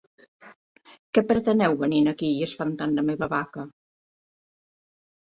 Què preteneu venint aquí i espantant a la meva vaca?